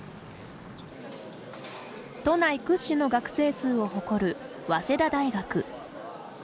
都内屈指の学生数を誇る早稲田大学。